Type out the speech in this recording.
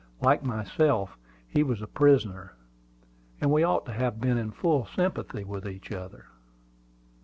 Like myself, he was a prisoner, and we ought to have been in full sympathy with each other.